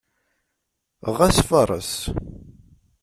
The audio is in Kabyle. Ɣas fareṣ.